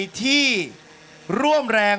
โอบอตตอมหาสนุก